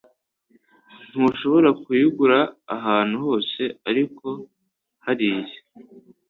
Ntushobora kuyigura ahantu hose ariko hariya